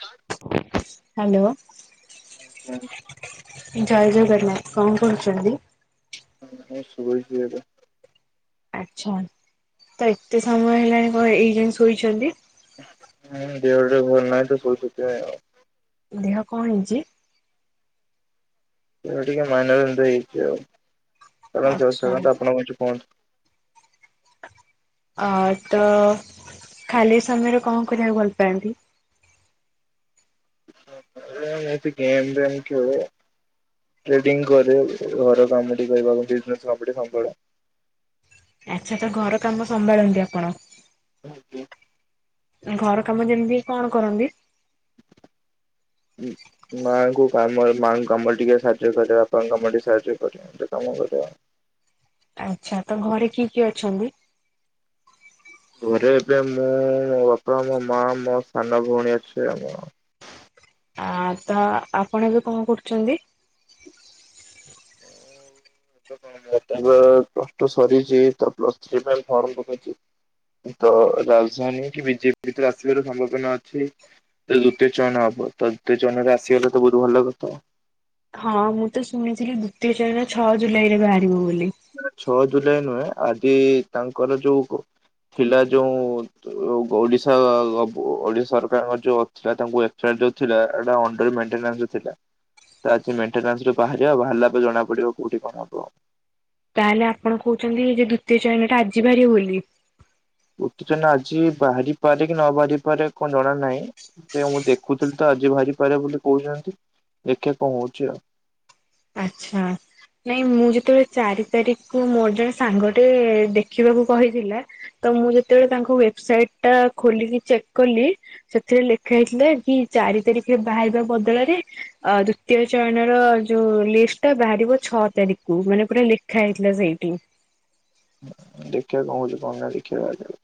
ହ [inaudible] ହାଲୋ। ମୁଁ ଜୟ ଜଗନ୍ନାଥ। କଣ କରୁଛନ୍ତି? ମୁଁ ଶୋଇଛି ଏବେ। ଆଚ୍ଛା। ତ ଏତେ ସମୟ ହେଲାଣି କଣ ଏଇ ଯାଏ ଶୋଇଛନ୍ତି? ହୁଁ ଦେହ ଟିକିଏ ଭଲ ନାହିଁ ତ ଶୋଇଚି ଟିକେ। ଦେହ କଣ ହେଇଛି? ଟିକେ ମାଇନରେ ଏମିତି ହେଇଛି ଆଉ। ଆଚ୍ଛା ଛାଡନ୍ତୁ ଆପଣ କିଛି କୁହନ୍ତୁ? ଅ ତ ଖାଲି ସମୟରେ କଣ କରିବାକୁ ଭଲ ପାଆନ୍ତି? ମୁଁ ତ ଏମିତି ଗେମ୍ ଫେମ୍ ଖେଳେ। ଟ୍ରେଡିଂ କରେ, ଘର କାମ ଟିକେ କରିବାକୁ ଯେତିକି ସମୟ ମିଳେ [unintelligible] ସମ୍ବଳ। ଆଚ୍ଛା ତ, ଘର କାମ ସମ୍ଭାଳନ୍ତି ଆପଣ? ଆଜ୍ଞା। ଘର କାମ ଯେମିତି କଣ କରନ୍ତି? ମାଆଙ୍କୁ କାମରେ, ମାଆଙ୍କ କାମରେ ଟିକେ ସାହାଯ୍ୟ କରେ। ବାପାଙ୍କ କାମରେ ଟିକେ ସାହାଯ୍ୟ କରେ। ଏମିତି କାମ କରେ। ଆଚ୍ଛା, ତ ଘରେ କିଏ କିଏ ଅଛନ୍ତି? ଘରେ ଏବେ ମୁଁ, ମୋ ବାପା, ମୋ ମା, ମୋ ସାନ ଭଉଣୀ ଅଛି ଆଉ। ଆ ତ ଆପଣ ଏବେ କଣ କରୁଛନ୍ତି? ମୁଁ ଏବେ ପ୍ଲସ ଟୁ ସରିଛି, ତ ପ୍ଲସ୍ ଥ୍ରୀ ପାଇଁ ଫର୍ମ ପକେଇଛି। ତ ରାଜଧାନୀ କି ବିଜେପି ଭିତରେ ଆସିବାର ସମ୍ଭାବନା ଅଛି। ସେ ଦ୍ଵିତୀୟ ଚୟନ ହବ, ତ ଦ୍ୱିତୀୟ ଚୟନରେ ଆସିଗଲେ ତ ବୋହୁତ୍ ଭଲ କଥା। ହଁ, ମୁଁ ତ ଶୁଣିଥିଲି ଦ୍ଵିତୀୟ ଚୟନ ଛଅ ଜୁଲାଇ ରେ ବାହାରିବ ବୋଲି। ଛଅ ଜୁଲାଇ ନୁହେଁ, ଆଜି ତାଙ୍କର ଯୋଉ ପିଲା ଯୋଉ ଓଡ଼ିଶା, ଓଡ଼ିଶା ସରକାରଙ୍କ ଯୋଉ ସେଟା ତାଙ୍କୁ [unintelligible] ଅଣ୍ଡର ମେଣ୍ଟନାସ୍ ରେ ଥିଲା। ତ ଆଜି ମେଣ୍ଟନାସ୍ ରୁ ବାହାରିବା, ବାହାରିଲା ପରେ ଜଣା ପଡିବ କଉଠି କଣ ହବ। ତାହେଲେ ଆପଣ କହୁଛନ୍ତି, ଯେ ଦ୍ଵିତୀୟ ଚୟନ ଟା ଆଜି ବାହାରିବ ବୋଲି? ଉତ୍ପୀନ ଆଜି ବାହାରି ପାରେ କି ନ ବାହାରି ପାରେ କଣ ଜଣା ନାହିଁ। ସେ ମୁଁ ଦେଖୁଥିଲି ତ ଆଜି ବାହାରିପାରେ ବୋଲି କହୁଛନ୍ତି, ଦେଖେ କଣ ହଉଛି ଆଉ। ଆଚ୍ଛା। ନାଇଁ ମୁଁ ଯେତେବେଳେ ଚାରି ତାରିଖ୍ କୁ ମୋର ଜଣେ ସାଙ୍ଗ ଟେ ଦେଖିବାକୁ କହିଥିଲା ତ ମୁଁ ଯେତେବେଳେ ତାଙ୍କ ୱେବ୍ ସାଇଟ୍ ଟା ଖୋଲିକି ଚେକ୍ କଲି ସେଥିରେ ଲେଖା ହେଇଥିଲା କି ଚାରି ତାରିଖ ବାହାରିବା ବଦଳରେ ଅ ଦ୍ଵିତୀୟ ଚୟନ ର ଯୋଉ ଲିଷ୍ଟ ବାହାରିବ ଛଅ ତାରିଖ କୁ ମାନେ ପୁରା ଲେଖା ହେଇଥିଲା ସେଇଟି। ଦେଖିଆ କଣ ହଉଛି, କଣ ନାଇ ଦେଖିବା ଆ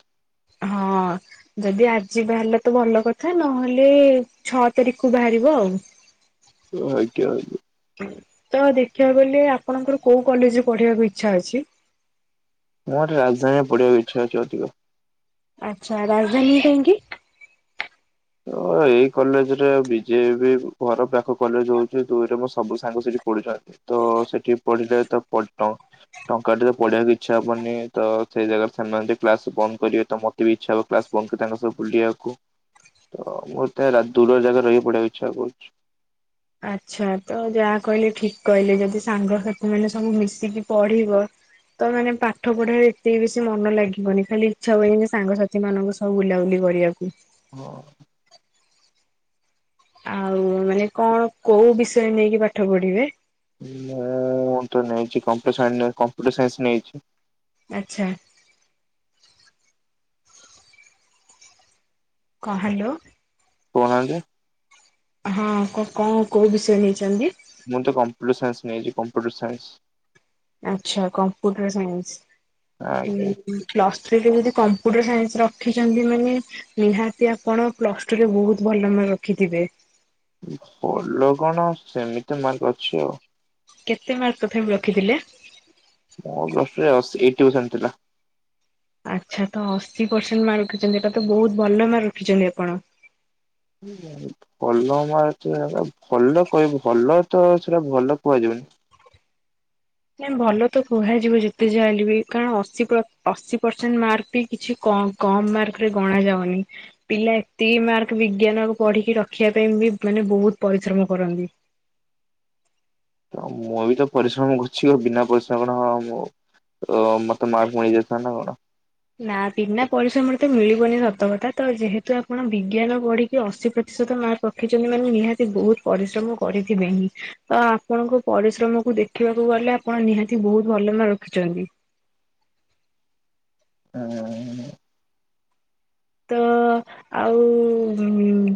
ହଁ। ଯଦି ଆଜି ବାହାରିଲା ତ ଭଲ କଥା, ନହେଲେ ଛଅ ତାରିଖ କୁ ବାହାରିବ ଆଉ। [inaudible] ଆଜ୍ଞା ଆଜ୍ଞା। ତ ଦେଖିବାକୁ ଗଲେ ଆପଣଙ୍କର କୋଉ କଲେଜରେ ପଢିବାକୁ ଇଚ୍ଛା ଅଛି? ମୁଁ ଗୋଟେ ରାଜଧାନୀରେ ପଡିବାକୁ ଇଚ୍ଛା ଅଛି ଅଧିକ। ଆଚ୍ଛା, ରାଜଧାନୀ କାହିଁକି? ତ ଏଇ କଲେଜରେ ବିଜେ ବି ଘର ପାଖ କଲେଜ ହଉଛି, ଦୁଇରେ ମୋ ସବୁ ସାଙ୍ଗ ସେଠି ପଢ଼ୁଛନ୍ତି। ତ ସେଠି ପଢିଲେ ତ ପ ଟଙ୍କା ଟାର ତ ପଢିବାକୁ ଇଚ୍ଛା ହବନି ତ ସେଇ ଜାଗାରେ ଛାଡୁନାହାନ୍ତି, ସେମାନେ କ୍ଲାସବନ୍ଦ କରିବେ ମୋତେ ବି ଇଛା ହବ କ୍ଲାସ ତାଙ୍କ ସହ ବୁଲିବାକୁ। ତ ମତେ ଦୂର ଜାଗାରେ ରହି ପଢିବାକୁ ଇଚ୍ଛା ହୋଉଛି। ଆଚ୍ଛା, ତ ଯାହା କହିଲେ ଠିକ କହିଲେ ଯଦି ସାଙ୍ଗସାଥି ମାନେ ସବୁ ମିଶିକି ପଢିବ ତ ମାନେ ପାଠ ପଢାରେ ଏତେବି ବେଶୀ ମନ ଲାଗିବନି, ଖାଲି ଇଚ୍ଛା ହବ ସାଙ୍ଗସାଥି ମାନଙ୍କ ସହ ବୁଲାବୁଲି କରିବାକୁ। ହଁ। ଆଉ ମାନେ କଣ କୋଉ ବିଷୟ ନେଇକି ପାଠ ପଢିବେ? ନା ମୁଁ ତ ନେଇଛି କମ୍ପୁଟର ସାଇନ୍ସ, କମ୍ପୁଟର ସାଇନ୍ସ ନେଇଛି। ଆଚ୍ଛା। କ ହ୍ୟାଲୋ। କହୁ ନାହାନ୍ତି? ହଁ କ କଁ କୋଉ ବିଷୟ ନେଇଛନ୍ତି? ମୁଁ ତ କମ୍ପୁଟର ସାଇନ୍ସ ନେଇଛି କମ୍ପ୍ୟୁଟର ସାଇନ୍ସ। ଆଛା କମ୍ପ୍ୟୁଟର ସାଇନ୍ସ। ଆଜ୍ଞା। ପ୍ଲସ୍ ଥ୍ରୀ ରେ ଯଦି କମ୍ପ୍ୟୁଟର ସାଇନ୍ସରେ ରଖିଛନ୍ତି ମାନେ ନିହାତି ଆପଣ ପ୍ଲସ୍ ଟୁରେ ବହୁତ ଭଲ ମାର୍କ ରଖିଥିବେ? ଭଲ କଣ ସେମିତି ମାର୍କ ଅଛି ଆଉ। କେତେ ମାର୍କ ତଥାପି ରଖିଥିଲେ? ମୋର ପ୍ଲସ ଟୁ ରେ ଅଶି ଏଇଟି ପରସେଣ୍ଟ ଥିଲା। ଆଚ୍ଛା ତ ଅଶୀ ପରସେଣ୍ଟ ମାର୍କ ରଖିଛନ୍ତି ଏଟା ତ ବହୁତ ଭଲ ମାର୍କ ରଖିଛନ୍ତି ଆପଣ। [unintelligible] ଭଲ ମାର୍କ ଭଲ କହିବ ଭଲ ତ ସେଟା ଭଲ କୁହାଯିବନି। ନାଇ ଭଲ ତ କୁହାଯିବ ଯେତେ ଯାହାହେଲେ ବି କାରଣ ଅଶୀ ପ୍ର ଅଶୀ ପରସେଣ୍ଟ ମାର୍କ ବି କିଛି କଁ କମ ମାର୍କ ରେ ଗଣା ଯାଉନି? ପିଲା ଏତିକି ମାର୍କ ବିଜ୍ଞାନ ପଢିକି ରଖିବା ପାଇଁ ବି ମାନେ ବହୁତ ପରିଶ୍ରମ କରନ୍ତି। ତ ମୁଁ ବି ତ ପରିଶ୍ରମ କରୁଛି, କ ବିନା ପରିଶ୍ରମରେ ହ ମୁଁ ଅ ମତେ ମାର୍କ ମିଳିଯାଇଥାନ୍ତା କଣ? ନା ବିନା ପରିଶ୍ରମରେ ତ ମିଳିବନି ସତକଥା ତ ଯେହେତୁ ଆପଣ ବିଜ୍ଞାନ ପଢିକି ଅଶୀ ପ୍ରତିଶତ ମାର୍କ ରଖିଛନ୍ତି ମାନେ ନିହାତି ବହୁତ ପରିଶ୍ରମ କରିଥିବେ ହିଁ ତ ଆପଣଙ୍କ ପରିଶ୍ରମକୁ ଦେଖ ଦେଖିବାକୁ ଗଲେ ଆପଣ ନିହାତି ବହୁତ ଭଲ ମାର୍କ ରଖିଛନ୍ତି। ଆଁ। ତ ଆଉ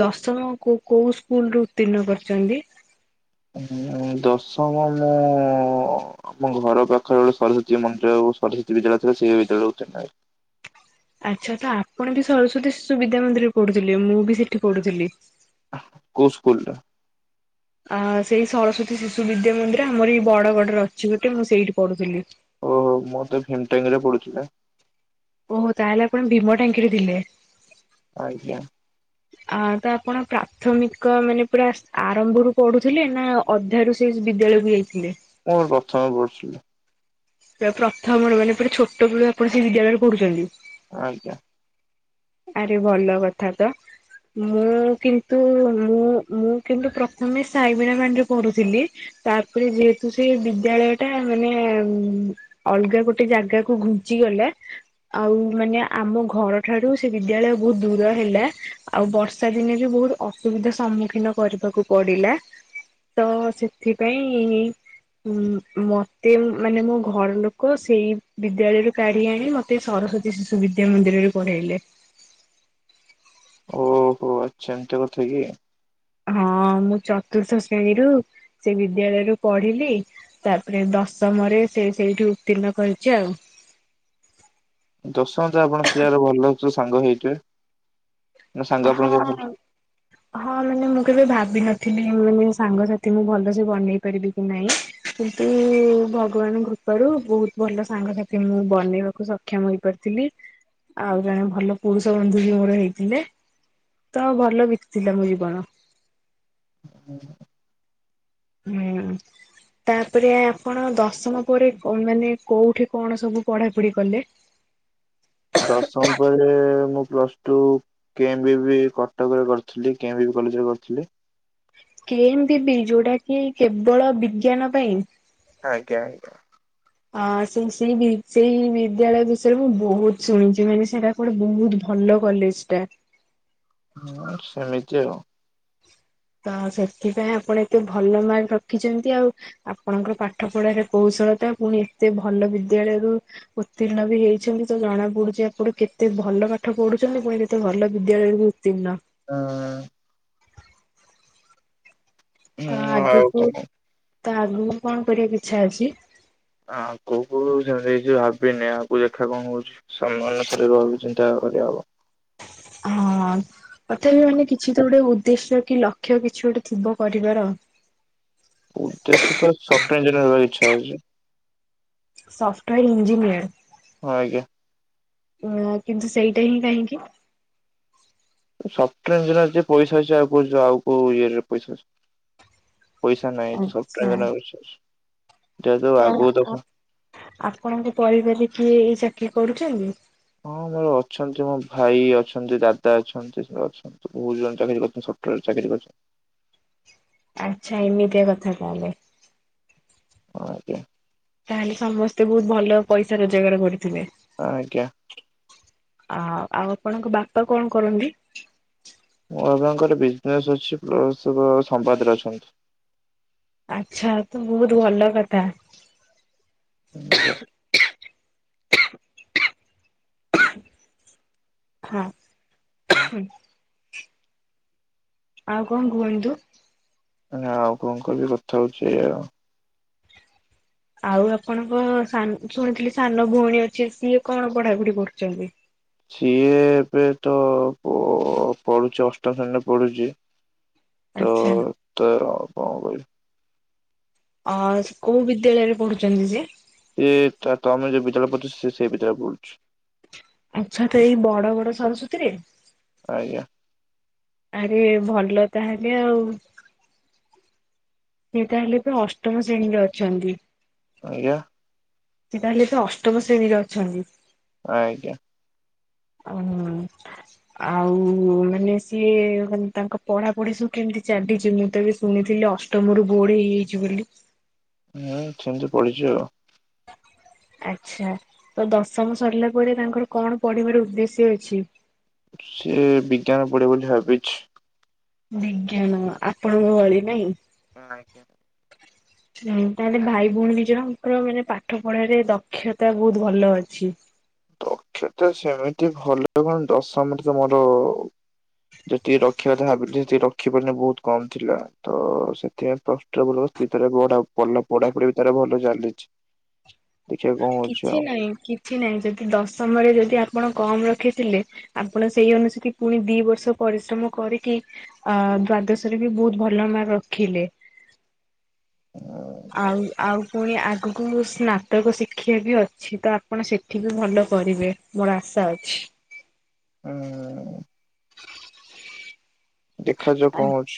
ଦଶମ କୋ କୋଉ ସ୍କୁଲ ରୁ ଉତ୍ତୀର୍ଣ୍ଣ କରିଛନ୍ତି? ଉଁ ଦଶମ ମୁଁ ଆମ ଘର ପାଖରେ ଗୋଟେ ସରସ୍ଵତୀ ମନ୍ଦିର ସରସ୍ୱତୀ ବିଦ୍ୟାଳୟ ଥିଲା ସେଇ ବିଦ୍ୟାଳୟକୁ ଉତ୍ତୀର୍ଣ୍ଣ ହେଲି। ଆଚ୍ଛା ତ ଆପଣ ବି ସରସ୍ଵତୀ ଶିଶୁ ବିଦ୍ୟା ମନ୍ଦିରରେ ପଢୁଥିଲେ, ମୁଁ ବି ସେଠି ପଢୁଥିଲି। କୋଉ ସ୍କୁଲ ଟା? ଆ ସେଇ ସରସ୍ଵତୀ ଶିଶୁ ବିଦ୍ୟା ମନ୍ଦିର ଆମର ଏଇ ବଡ ଗଡରେ ଅଛି ଗୋଟେ ମୁଁ ସେଇଠି ପଢ଼ୁଥିଲି। ଓହୋ। ମୁଁ ତ ଭିମଟାଙ୍କି ରେ ପଢୁଛି ନା? ଓହୋ ତାହେଲେ ଆପଣ ଭୀମ ଟାଙ୍କିରେ ଥିଲେ? ଆଜ୍ଞା। ଆ ତ ଆପଣ ପ୍ରାଥମିକ ମାନେ ପୁରା ଆରମ୍ଭରୁ ପଢୁଥିଲେ ନା ଅଧ୍ୟାୟରୁ ସେ ବିଦ୍ୟାଳୟକୁ ଯାଇଥିଲେ? ମୁଁ ପ୍ରଥମରେ ପଢ଼ୁଥିଲି। ପୁରା ପ୍ରଥମ ରୁ ମାନେ ପୁରା ଛୋଟ ବେଳୁ ଆପଣ ସେଇ ବିଦ୍ୟାଳୟରେ ପଢୁଛନ୍ତି? ଆଜ୍ଞା। ଆରେ ଭଲ କଥା ତ। ମୁଁ କିନ୍ତୁ ମୁଁ ମୁଁ କିନ୍ତୁ ପ୍ରଥମେ ସାଇ ବୀଣାପାଣୀ ରେ ପଢୁଥିଲି। ତାପରେ ଯେହେତୁ ସେ ବିଦ୍ୟାଳୟ ଟା ମାନେ ଉମ୍ ଅଲଗା ଗୋଟେ ଜାଗାକୁ ଘୁଞ୍ଚି ଗଲା। ଆଉ ମାନେ ଆମ ଘର ଠାରୁ ସେ ବିଦ୍ୟାଳୟ ବୋହୁତ ଦୂର ହେଲା। ଆଉ ବର୍ଷା ଦିନେ ବି ବୋହୁତ ଅସୁବିଧା ସମ୍ମୁଖୀନ କରିବାକୁ ପଡିଲା। ତ ସେଥିପାଇଁ ମ୍ ମତେ ମାନେ ମୁଁ ଘର ଲୋକ ସେଇ ବିଦ୍ୟାଳୟରୁ କାଢି ଆଣି, ମତେ ସରସ୍ଵତୀ ଶିଶୁ ବିଦ୍ୟା ମନ୍ଦିରରେ ପଢେଇଲେ। ଓହୋ। ଆଚ୍ଛା ଏମିତି କଥା କି? ହଁ। ମୁଁ ଚତୁର୍ଥ ଶ୍ରେଣୀରୁ ସେ ବିଦ୍ୟାଳୟରୁୁ ପଢିଲି। ତାପରେ ଦଶମରେ ସେ ସେଇଠୁ ଉତ୍ତୀର୍ଣ୍ଣ କରିଛି ଆଉ। ଦଶମ ରେ ତ ଆପଣ ସେ ଯା [unintelligible] ହୋଲଡର ସହ ସାଙ୍ଗ ହେଇଥିବେ? ନା ସାଙ୍ଗ ଆପଣ କିଏ ଭଲ ହଁ। ହଁ। ମାନେ ମୁଁ କେବେ ଭାବିିନଥିଲି ମାନେ ସାଙ୍ଗସାଥି ମୁଁ ଭଲସେ ବନେଇି ପାରିବିକି ନାଇଁ, କିନ୍ତୁ ଭଗବାନ କୃପାରୁ ବୋହୁତ ଭଲ ସାଙ୍ଗସାଥି ମୁଁ ବନେଇବାକୁ ସକ୍ଷମ ହେଇପାରିଥିଲି। ଆଉ ଜଣେ ଭଲ ପୁରୁଷ ବନ୍ଧୁ ବି ମୋର ହେଇଥିଲେ। ତ ଭଲ ବିତିଥିଲା ମୋ ଜୀବନ। ହୁଁ। ହୁଁ। ତାପରେ ଆପଣ ଦଶମ ପରେ ମାନେ କୋଉଠି କଣ ସବୁ ପଢାପଢି କଲେ? ଦଶମ ପରେ ମୁଁ ପ୍ଲସ ଟୁ କେମ୍ ବି ବି କଟକ ରେ କରିଥିଲି। କେମ୍ ବି ବି କଲେଜରେ କରିଥିଲି। କେମ୍ ବି ବି ଯୋଉଟା କି କେବଳ ବିଜ୍ଞାନ ପାଇଁ? ଆଜ୍ଞା ଆଜ୍ଞା। ଆ ସେଇ ସେଇ ସେଇ ବିଦ୍ୟାଳୟ ବିଷୟରେ ମୁଁ ବୋହୁତ ଶୁଣିଛି। ମାନେ ସେଇଟା ଗୋଟେ ବହୁତ ଭଲ କଲେଜ ଟା। ହୁଁ ସେମିତି ଆଉ। ତ ସେଥିପାଇଁ ଆପଣ ଏତେ ଭଲ ମାର୍କ ରଖିଛନ୍ତି ଆଉ। ଆପଣଙ୍କର ପାଠ ପଢାରେ କୌଶଳତା ପୁଣି ଏତେ ଭଲ ବିଦ୍ୟାଳୟରୁ ଉତ୍ତୀର୍ଣ୍ଣ ବି ହେଇଛନ୍ତି। ତ ଜଣା ପଡୁଛି ଆପଣ କେତେ ଭଲ ପାଠ ପଢୁଛନ୍ତି ପୁଣି କେତେ ଭଲ ବିଦ୍ୟାଳୟରେ ବି ତ୍ତିର୍ଣ୍ଣ। ହଁ। ତ ହୁଁ ଆଉ ଆଗକୁ କଣ ତ ଆଗକୁ କଣ କରିବାକୁ ଇଚ୍ଛା ଅଛି? ଆଗକୁ ସେମିତି କିଛି ଭାବିନି। ଆଗକୁ ଦେଖିଆ କଣ ହଉଛି? ସମ୍ମାନ [unintelligible] ଚିନ୍ତା କରିବାହବ। ହଁ। ତଥାପି ମାନେ କିଛି ତ ଗୋଟେ ଉଦ୍ଦେଶ୍ୟ କି ଲକ୍ଷ୍ୟ କିଛି ଗୋଟେ ଥିବ କରିବାର? ଉଦ୍ଦେଶ୍ୟ ତ ସଫ୍ଟୱେୟାର ଇଂଜିନିୟର ହେବାକୁ ଇଚ୍ଛା ଅଛି। Software engineer. ହଁ ଆଜ୍ଞା। ଆ କିନ୍ତୁ ସେଇଟା ହିଁ କାହିଁକି? ସଫ୍ଟୱେୟାର ଇଞ୍ଜିନିୟରେ ପଇସା ଅଛି। ଆଉ [unintelligible] ଆଉ କୋଉ ଇଏରେ ପଇସା ଅଛି। ପଇସା ନାଇଁ ତ ସବ୍ ଆଚ୍ଛା [unintelligible] ତ ଆପ୍ ଆପଣଙ୍କ ପରିବାରରେ କିଏ ଏଇ ଚାକିରୀ କରୁଛନ୍ତି? ହଁ ମୋର ଅଛନ୍ତି ମୋ ଭାଇ ଅଛନ୍ତି ଦାଦା ଅଛନ୍ତି ସେ ଅଛନ୍ତି। ବହୁତ ଜଣ ଚାକିରି କରିଛନ୍ତି ସଫ୍ଟୱେରରେ ଚାକିରି କରିଛନ୍ତି। ଆଚ୍ଛା ଏମିତିଆ କଥା ତାହେଲେ। ହଁ ଆଜ୍ଞା। ତାହେଲେ ସମସ୍ତେ ବହୁତ ଭଲ ପଇସା ରୋଜଗାର କରୁଥିବେ? ହଁ ଆଜ୍ଞା। ଆ ଆଉ ଆପଣଙ୍କ ବାପା କଣ କରନ୍ତି? ମୋ ବାପାଙ୍କର ବିଜନେସ୍ ଅଛି ପ୍ଲସ୍ ସମ୍ବାଦରେ ଅଛନ୍ତି। ଆଚ୍ଛା ତ ବହୁତ ଭଲ କଥା। ହଁ ଆଜ୍ଞା। ହଁ। ଆଉ କଣ କୁହନ୍ତୁ? ଆ ଆଉ କଣ କହିବି କଥା ହଉଛି ଏଇଆ। ଆଉ ଆପଣଙ୍କ ସାନ୍ ଶୁଣିଥିଲି ସାନ ଭଉଣୀ ଅଛି ସିଏ କଣ ପଢାପଢି କରୁଛନ୍ତି? ସିଏ-ଏ ଏବେ ତ ପ-ଅ-ଅ ପଢୁଛି ଅଷ୍ଟମ ଶ୍ରେଣୀରେ ପଢୁଛି। ଆଚ୍ଛା ତ-ଅ-ଅ ତ ଆଉ କଣ କହିବି? ଅ-ଅ କୋଉ ବିଦ୍ୟାଳୟରେ ପଢୁଛନ୍ତି ସେ? ଏ-ଏ ତା ତମେ ଯୋଉ ବିଦ୍ୟାଳୟରେ ପଢୁଛ ସେ ସେଇ ବିଦ୍ୟାଳୟରେ ପଢୁଛି। ଆଚ୍ଛା ତ ଏଇ ବଡ ବଡ ସରସ୍ୱତୀରେ? ଆଜ୍ଞା। ଆରେ ଭଲ ତାହେଲେ ଆଉ। ସେ ତାହେଲେ ଏବେ ଅଷ୍ଟମ ଶ୍ରେଣୀରେ ଅଛନ୍ତି? ଆଜ୍ଞା? ସେ ତାହେଲେ ଏବେ ଅଷ୍ଟମ ଶ୍ରେଣୀରେ ଅଛନ୍ତି? ଆଜ୍ଞା। ଉଁ-ଉଁ-ଉଁ। ଆଉ-ଉ-ଉ-ଉ ମାନେ ସିଏ ମାନେ ତାଙ୍କ ପଢାପଢି ସବୁ କେମିତି ଚାଲିଛି ମୁଁ ତ ଏବେ ଶୁଣିଥିଲି ଅଷ଼୍ ଟମ୍ ରୁ ବୋର୍ଡ ହେଇଯାଇଛି ବୋଲି? ହୁଁ ସେମିତି ପଢିଛି ଆଉ। ଆଚ୍ଛା, ତ ଦଶମ ସରିଲା ପରେ ତାଙ୍କର କଣ ପଢିବାର ଉଦ୍ଦେଶ୍ୟ ଅଛି? ସେ ବିଜ୍ଞାନ ପଢ଼ିବ ବୋଲି ଭାବିଛି। ବିଜ୍ଞାନ, ଆପଣଙ୍କ ଭଳି ନାଇଁ? ହଁ ଆଜ୍ଞା। ହୁଁ, ତାହେଲେ ଭାଇ ଭଉଣୀ ଦି ଜଣଙ୍କର ମାନେ ପାଠ ପଢାରେ ଦକ୍ଷତା ବହୁତ୍ ଭଲ ଅଛି। ସେତେ ସେମିତି ଭଲ କଣ ଦଶମରେ ତ ମୋର ଯେତିକି ରଖିବା କଥା ଭାବିଥିଲି ସେତିକି ରଖି ପାରିଲିନି ବହୁତ୍ କମ୍ ଥିଲା ତ-ଅ-ଅ ସେ ସେଥିପାଇଁ [unintelligible] ସେ ତାର ପଢା ଭଲ ପଢାପଢି ବି ତାର ଭଲ ଚାଲିଛି। ଦେଖିବା କଣ ହଉଛି କିଛି ଆଉ। ନାହିଁ କିଛି ନାହିଁ ଯଦି ଦଶମରେ ଯଦି ଆପଣ କମ୍ ରଖିଥିଲେ ଆପଣ ସେଇ ଅନୁସୁତି ପୁଣି ଦି ବର୍ଷ ପରିଶ୍ରମ କରିକି ଅ-ଅ ଦ୍ଵାଦଶରେ ବି ବହୁତ ଭଲ ମାର୍କ ରଖିଲେ। ଉଁ ଆଉ, ଆଉ ପୁଣି ଆଗକୁ ସ୍ନାତକ ଶିକ୍ଷା ବି ଅଛି ତ ଆପଣ ସେ ଏଠି ବି ଭଲ କରିବେ, ମୋର ଆଶା ଅଛି। ଉଁ-ଉଁ-ଉଁ ଦେଖାଯାଉ କଣ ହଉଛି।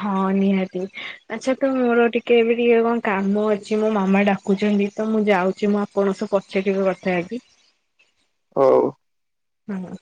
ହଁ ନିହାତି, ଆଚ୍ଛା ତ ମୋର ଟିକେ ଏବେ ଟିକେ କଣ କାମ ଅଛି, ମୋ ମାମା ଡା କୁଚନ୍ତି ତ ମୁଁ ଯାଉଛି, ମୁଁ ଆପଣ ସହ ପଛେ କେବେ କଥା ହେବି। ହଉ। ହଁ, ହଁ।